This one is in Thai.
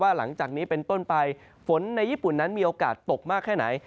หลังจากนี้เป็นต้นไปฝนในญี่ปุ่นนั้นมีโอกาสตกมากแค่ไหน